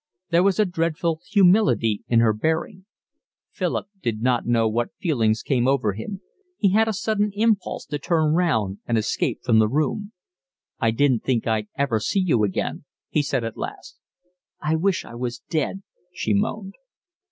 There was a dreadful humility in her bearing. Philip did not know what feelings came over him. He had a sudden impulse to turn round and escape from the room. "I didn't think I'd ever see you again," he said at last. "I wish I was dead," she moaned.